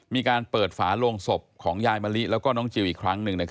มีการเปิดฝาโลงศพของยายมะลิแล้วก็น้องจิลอีกครั้งหนึ่ง